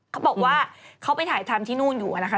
เขาบอกว่าเขาไปถ่ายทำที่นู่นอยู่นะคะ